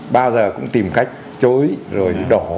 bao giờ cũng tìm cách chối rồi đổ